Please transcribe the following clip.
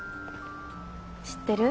知ってる？